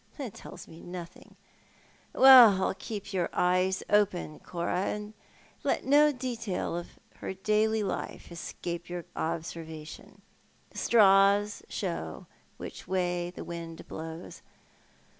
" Humph, that tells me nothing. Well, keep your eyes open, Cora, and let no detail of her daily life escape your observation. Straws show which way the wind blows.